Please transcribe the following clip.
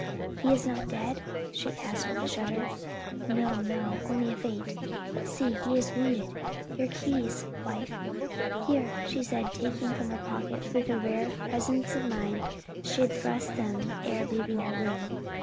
"He is not dead?" she asked with a shudder. "No, no: only a faint; but, see, he is wounded! Your keys, wife!" "Here," she said, taking them from her pocket, where, with rare presence of mind, she had thrust them ere leaving her room.